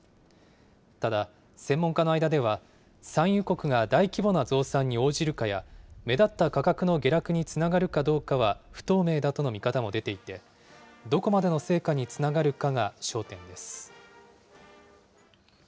ただ、専門家の間では、産油国が大規模な増産に応じるかや、目立った価格の下落につながるかどうかは不透明だとの見方も出ていて、どこまでの成果につながるかが焦点です。